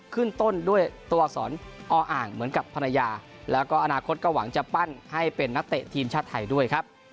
ขึ้นต้นด้วยตัวอักษรออ่างเหมือนกับภรรยาแล้วก็อนาคตก็หวังจะปั้นให้เป็นนักเตะทีมชาติไทยด้วยครับ